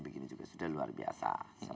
begini juga sudah luar biasa